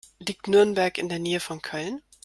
Liegt Nürnberg in der Nähe von Köln?